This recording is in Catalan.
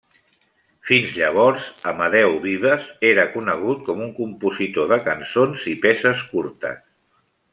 Fins llavors, Amadeu Vives era conegut com un compositor de cançons i peces curtes.